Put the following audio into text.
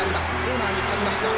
コーナーにかかりました。